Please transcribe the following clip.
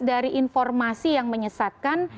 dari informasi yang menyesatkan